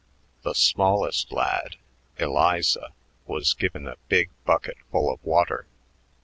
The smallest lad, "Eliza," was given a big bucket full of water.